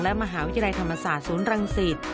และมหาวิทยาลัยธรรมศาสตร์ศูนย์รังสิต